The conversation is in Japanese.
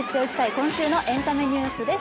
今週のエンタメニュースです。